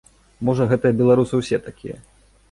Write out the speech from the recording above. Можа, гэтыя беларусы ўсе такія!